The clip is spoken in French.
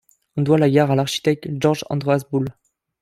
On doit la gare à l'architecte Georg Andreas Bull.